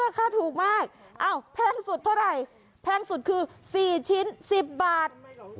อ่อราคาถูกมากเอ้าแพ่งสุดเท่าไหร่แพ่งสุดคือ๔ชิ้น๑๐บาท